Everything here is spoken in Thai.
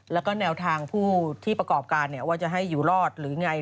แล้วก็แนวทางผู้ที่ประกอบการว่าจะให้อยู่รอดหรือไง